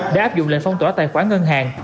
đã áp dụng lệnh phong tỏa tài khoản ngân hàng